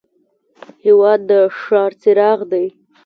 هېواد د ښار څراغ دی.